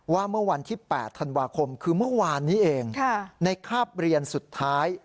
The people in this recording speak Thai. ว่าเมื่อวันที่๘ธันวาคมคือเมื่อวานนี้เองในคาบเรียนสุดท้าย